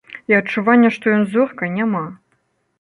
І адчування, што ён зорка, няма.